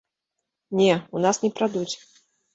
Не, у нас не прадуць.